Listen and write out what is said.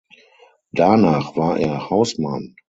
Danach war er Hausmann.